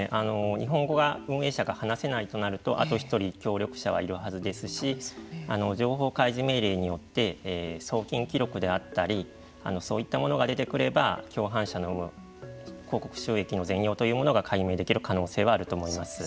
日本語が運営者が話せないとなるとあと１人協力者はいるはずですし情報開示命令によって送金記録であったりそういったものが出てくれば共犯者の生む広告収益の全容が解明できる可能性はあると思います。